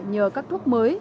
nhờ các thuốc mới